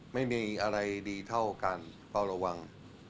ไม่มีอะไรดีเท่าการเฝ้าระวัง